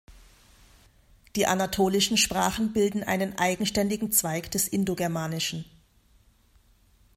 Die anatolischen Sprachen bilden einen eigenständigen Zweig des Indogermanischen.